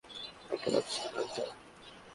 নাকে লাগছে ঘ্রাণটা?